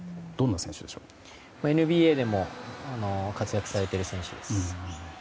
ＮＢＡでも活躍されてる選手です。